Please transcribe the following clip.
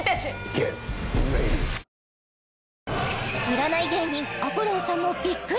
占い芸人アポロンさんもビックリ